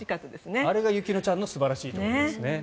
あれが雪乃ちゃんの素晴らしいところですね。